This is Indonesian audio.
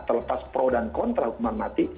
terlepas pro dan kontra hukuman mati